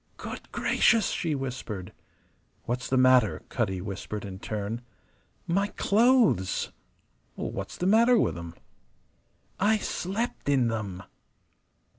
"Good gracious!" she whispered. "What's the matter?" Cutty whispered in turn. "My clothes!" "What's the matter with 'em?" "I slept in them!"